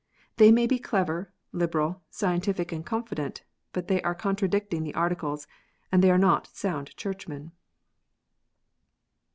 They may be clever, liberal, scientific, and confident; but they are contradicting the Articles, and they are not sound Churchmen.